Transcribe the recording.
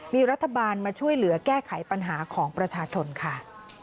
มีรัฐบาลมาช่วยเหลือแก้ไขปัญหาของประชาชนค่ะ